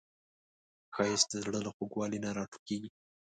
ښایست د زړه له خوږوالي نه راټوکېږي